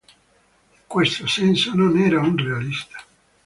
In questo senso non era un realista.